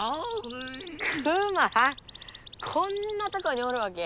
こんなとこにおるわけ。